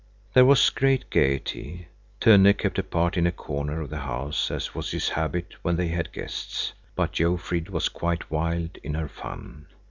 There was great gaiety. Tönne kept apart in a corner of the house, as was his habit when they had guests, but Jofrid was quite wild in her fun.